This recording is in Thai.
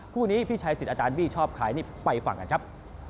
คู่นี้พี่ชัยสิทธิ์อาจารย์บี้ชอบใครนี่ไปฟังกันครับ